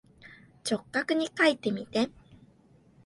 直角にかいてみて。